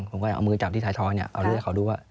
ผมก็เอามือจับที่ท้ายทอยเอาเรื่องให้เขาดูว่า